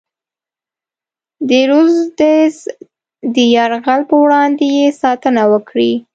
د رودز د یرغل پر وړاندې یې ساتنه وکړي.